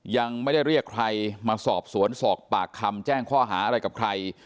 ยังไม่ได้เรียกใครมาสอบสวนสอบปากคำแจ้งข้อหาอะไรกับใคร